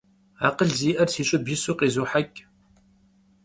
Akhıl zi'er si ş'ıb yisu khêzuheç'.